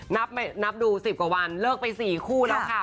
นับดู๑๐กว่าวันเลิกไป๔คู่แล้วค่ะ